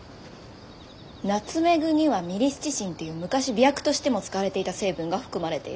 ナツメグにはミリスチシンっていう昔媚薬としても使われていた成分が含まれている。